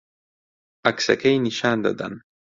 عەکسەکەی نیشان دەدەن